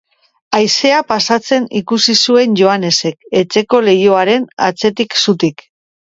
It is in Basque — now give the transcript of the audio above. Haizea pasatzen ikusi zuen Joanesek etxeko leihoaren atzetik zutik.